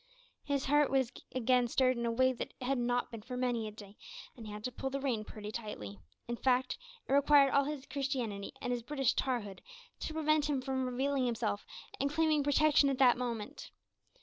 His heart was again stirred in a way that it had not been for many a day, and he had to pull the rein pretty tightly; in fact, it required all his Christianity and British tar hood to prevent him from revealing himself, and claiming protection at that moment.